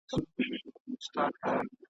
ملګري یو بل ته خوښي ورکوي.